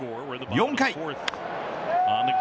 ４回。